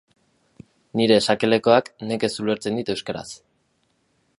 Nire sakelekoak nekez ulertzen dit euskaraz.